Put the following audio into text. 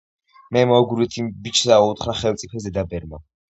მე მოგგვრით იმ ბიჭსაო, - უთხრა ხელმწიფეს დედაბერმა.